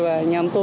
và anh em tôi